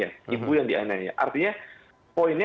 dan kemudian dia menangkap pelaporan balik